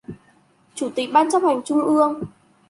Chủ tịch Ban Chấp hành Trung ương